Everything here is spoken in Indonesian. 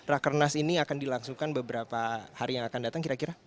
rakernas ini akan dilangsungkan beberapa hari yang akan datang kira kira